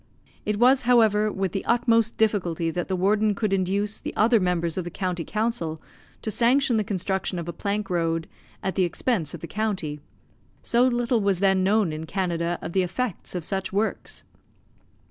It was, however, with the utmost difficulty that the warden could induce the other members of the county council to sanction the construction of a plank road at the expense of the county; so little was then known in Canada of the effects of such works.